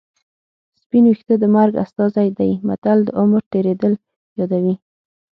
سپین ویښته د مرګ استازی دی متل د عمر تېرېدل یادوي